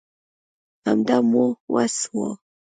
همدا مو وس وو